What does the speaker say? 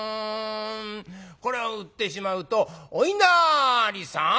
これを売ってしまうと「おいなりさん」。